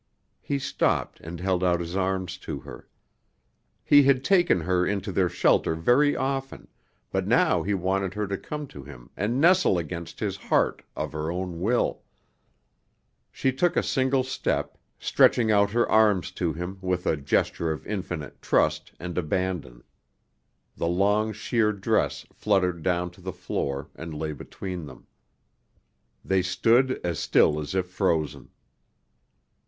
He stopped and held out his arms to her. He had taken her into their shelter very often, but now he wanted her to come to him and nestle against his heart of her own will. She took a single step, stretching out her arms to him with a gesture of infinite trust and abandon. The long sheer dress fluttered down to the floor, and lay between them. They stood as still as if frozen.